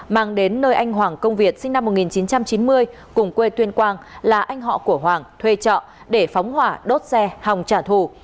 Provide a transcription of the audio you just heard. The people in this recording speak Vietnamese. mang đến nơi anh hoàng công việt sinh năm một nghìn chín trăm chín mươi cùng quê tuyên quang là anh họ của hoàng thuê trọ để phóng hỏa đốt xe hòng trả thù